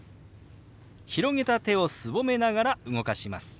広げた手をすぼめながら動かします。